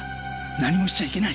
何もしちゃいけない！